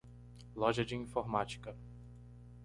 Loja de informática.